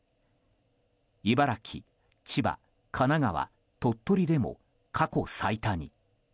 茨城、千葉、神奈川、鳥取でも過去最多に。